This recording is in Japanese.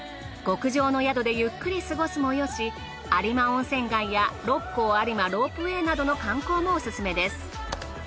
極上の宿でゆっくり過ごすもよし有馬温泉街や六甲有馬ロープウェイなどの観光もオススメです。